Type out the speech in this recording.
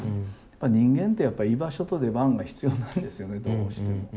人間ってやっぱ居場所と出番が必要なんですよねどうしても。